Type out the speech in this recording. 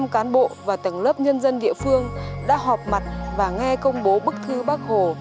một trăm linh cán bộ và tầng lớp nhân dân địa phương đã họp mặt và nghe công bố bức thư bác hồ